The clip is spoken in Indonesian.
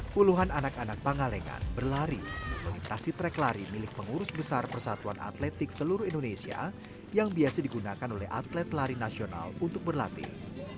puluhan anak anak pangalengan berlari melintasi trek lari milik pengurus besar persatuan atletik seluruh indonesia yang biasa digunakan oleh atlet lari nasional untuk berlatih